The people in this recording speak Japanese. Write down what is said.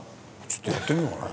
ちょっとやってみようかな。